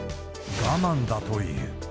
我慢だという。